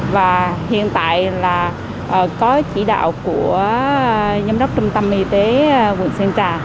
và hiện tại là có chỉ đạo của giám đốc trung tâm y tế quận sơn trà